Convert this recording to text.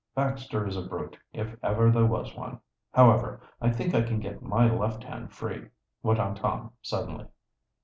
"Baxter is a brute, if ever there was one. However, I think I can get my left hand free," went on Tom suddenly.